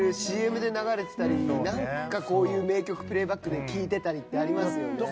ＣＭで流れてたりこういう名曲プレーバックで聴いてたりってありますよね。